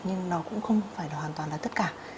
nhưng nó cũng không phải là hoàn toàn là tất cả